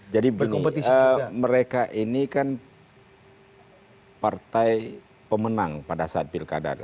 jadi mereka ini kan partai pemenang pada saat pilkada